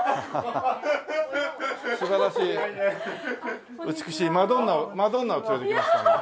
素晴らしい美しいマドンナを連れてきました。